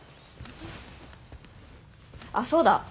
あっそうだ。